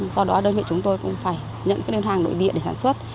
do đó đơn vị chúng tôi cũng phải nhận cái đơn hàng nội địa để sản xuất